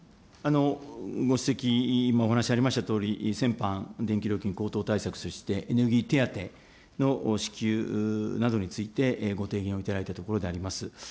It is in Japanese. ご指摘、お話ありましたとおり、先般、電気料金高騰対策としてエネルギー手当の支給などについて、ご提言をいただいたところであります。